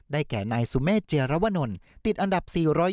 ได้แก่นายสุมมติเจราวนลติดอันดับ๔๒๔